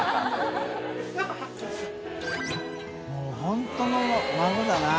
發本当の孫だな。